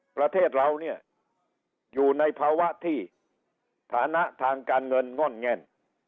ประเทศเราเนี่ยอยู่ในภาวะที่ฐานะทางการเงินง่อนแง่น